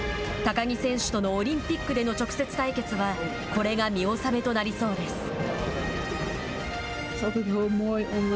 高木選手とのオリンピックでの直接対決はこれが見納めとなりそうです。